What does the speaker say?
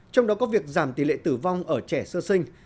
trong đó có việc giảm tỷ lệ tử vong ở trẻ sơ sinh